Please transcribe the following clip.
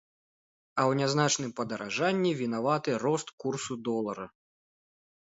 А ў нязначным падаражанні вінаваты рост курсу долара.